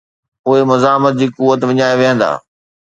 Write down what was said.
اهي مزاحمت جي قوت وڃائي ويهندا.